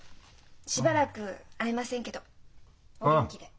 しばらく会えませんけどお元気で。